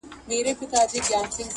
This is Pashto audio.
دا عادت یې ټول حرم ته معما وه.!